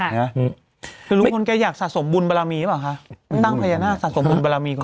หรือบางคนแกอยากสะสมบุญไมโลกาประโยชน์สะสมบุญ